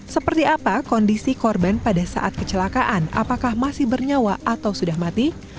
seperti apa kondisi korban pada saat kecelakaan apakah masih bernyawa atau sudah mati